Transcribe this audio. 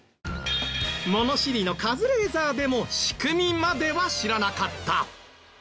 物知りのカズレーザーでも仕組みまでは知らなかった。